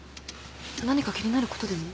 何か気になることでも？